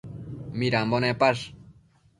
Midambo nepash?